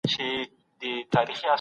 موږ د پوهانو لارښوونو ته اړتیا لرو.